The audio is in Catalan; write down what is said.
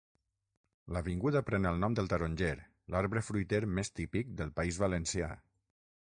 L'avinguda pren el nom del taronger, l'arbre fruiter més típic del País Valencià.